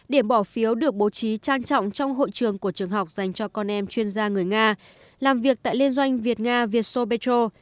điểm bỏ phiếu được bố trí trang trọng trong hội trường của trường học dành cho con em chuyên gia người nga làm việc tại liên doanh việt nga vietso petro